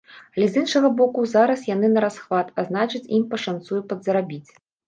Але з іншага боку, зараз яны нарасхват, а значыць, ім пашанцуе падзарабіць.